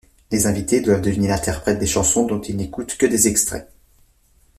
Les invités doivent deviner l'interprète des chansons dont ils n'écoutent que des extraits.